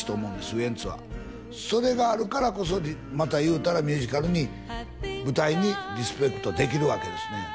ウエンツはそれがあるからこそまたいうたらミュージカルに舞台にリスペクトできるわけですね